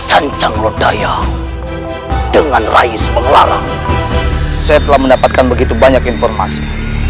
sancang lodaya dengan raya subang larang setelah mendapatkan begitu banyak informasi